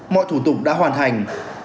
mọi thủ tục đã hoàn thành